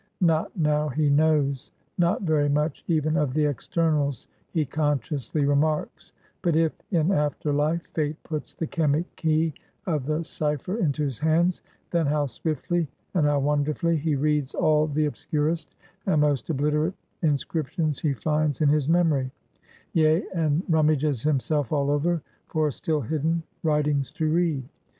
Not now he knows; not very much even of the externals he consciously remarks; but if, in after life, Fate puts the chemic key of the cipher into his hands; then how swiftly and how wonderfully, he reads all the obscurest and most obliterate inscriptions he finds in his memory; yea, and rummages himself all over, for still hidden writings to read.